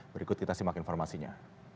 berikut kita simak informasinya